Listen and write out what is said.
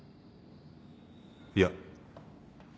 いや。